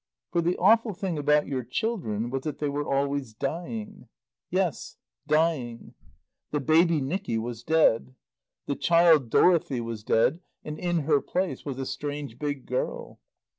For the awful thing about your children was that they were always dying. Yes, dying. The baby Nicky was dead. The child Dorothy was dead and in her place was a strange big girl.